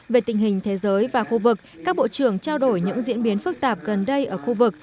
về tình hình thế giới và khu vực các bộ trưởng trao đổi những diễn biến phức tạp gần đây ở khu vực